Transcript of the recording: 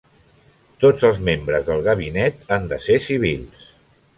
Tots els membres del Gabinet han de ser civils.